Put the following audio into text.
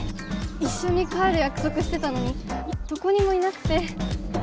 いっしょに帰る約束してたのにどこにもいなくて。